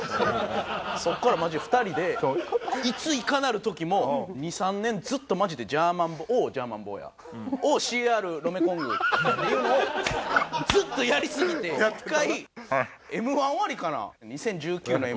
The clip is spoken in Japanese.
そこからマジで２人でいついかなる時も２３年ずっとマジで「おうジャーマン坊や」「おうＣＲロメコング」っていうのをずっとやりすぎて１回Ｍ−１終わりかな？